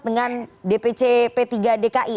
dengan dpc p tiga dki